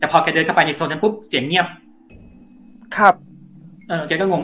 แต่พอแกเดินเข้าไปในโซนนั้นปุ๊บเสียงเงียบครับเออแกก็งง